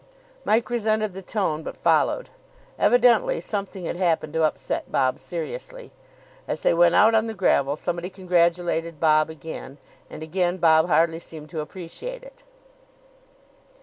Mike resented the tone, but followed. Evidently something had happened to upset Bob seriously. As they went out on the gravel, somebody congratulated Bob again, and again Bob hardly seemed to appreciate it.